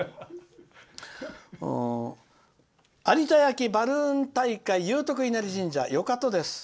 「有田焼、バルーン大会祐徳稲荷神社よかとこです。